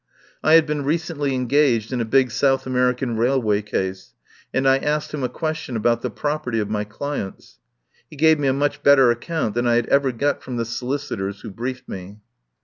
I had been re cently engaged in a big South American rail way case, and I asked him a question about the property of my clients. He gave me a much better account than I had ever got from the solicitors who briefed me.